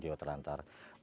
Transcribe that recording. kita sudah sangat berhasil